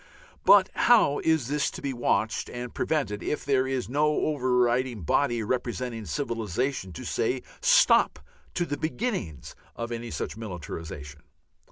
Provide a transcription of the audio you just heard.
But how is this to be watched and prevented if there is no overriding body representing civilization to say "Stop" to the beginnings of any such militarization?